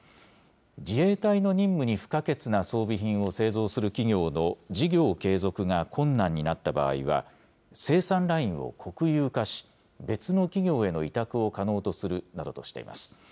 自衛隊の任務に不可欠な装備品を製造する企業の事業継続が困難になった場合は、生産ラインを国有化し、別の企業への委託を可能とするなどとしています。